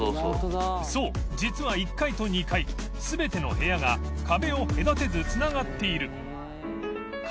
磴修実は１階と２階瓦討良阿壁を隔てずつながっている